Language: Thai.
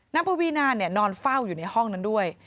น้ำผู้บีนาเนี่ยนอนเฝ้าอยู่ในห้องนั้นด้วย